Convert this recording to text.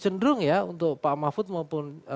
cenderung ya untuk pak mahfud maupun